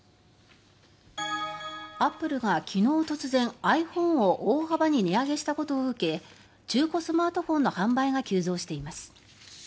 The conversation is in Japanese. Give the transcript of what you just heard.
アップルが昨日突然ｉＰｈｏｎｅを大幅に値上げしたことを受け中古スマートフォンの販売が急増しています。